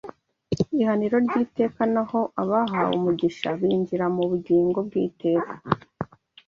ihaniro ry’iteka naho abahawe umugisha binjira mu bugingo bw’iteka